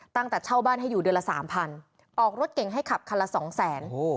ตั้งแต่เช่าบ้านให้อยู่เดือนละ๓๐๐๐บาทออกรถเก่งให้ขับคันละ๒๐๐๐๐๐บาท